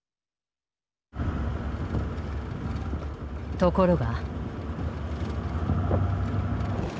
ところが。